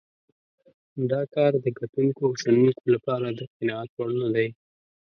دا کار د کتونکو او شنونکو لپاره د قناعت وړ نه دی.